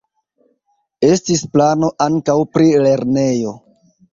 Estis plano ankaŭ pri lernejo.